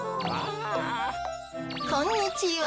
こんにちは。